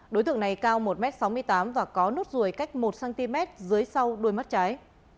đối tượng này cao một m sáu mươi tám và có nốt ruồi cách một cm dưới sau đuôi mắt trái